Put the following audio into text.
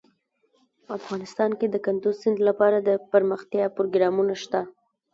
افغانستان کې د کندز سیند لپاره دپرمختیا پروګرامونه شته.